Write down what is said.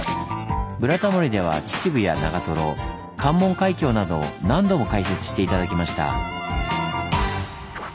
「ブラタモリ」では「秩父」や「長」「関門海峡」など何度も解説して頂きました。